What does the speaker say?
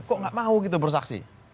kok nggak mau kita bersaksi